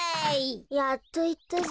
やっといったぜ。